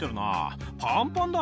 パンパンだ。